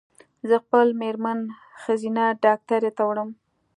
زه خپل مېرمن ښځېنه ډاکټري ته وړم